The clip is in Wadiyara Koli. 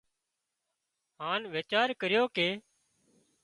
هانَ ويچار ڪريو ڪي